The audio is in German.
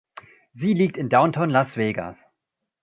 Sie liegt in Downtown Las Vegas.